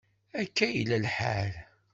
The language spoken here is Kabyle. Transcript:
Akka ay yella lḥal.